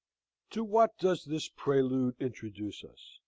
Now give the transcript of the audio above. To what does this prelude introduce us?